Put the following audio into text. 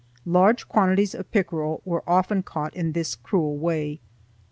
Large quantities of pickerel were often caught in this cruel way.